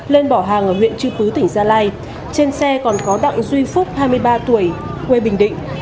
lên bỏ hàng ở huyện chư pứ tỉnh gia lai trên xe còn có đặng duy phúc hai mươi ba tuổi quê bình định